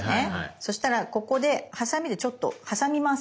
そしたらここでハサミでちょっと挟みます。